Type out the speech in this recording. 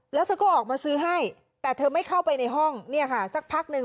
แล้วเธอก็ออกมาซื้อให้แต่เธอไม่เข้าไปในห้องเนี่ยค่ะสักพักหนึ่ง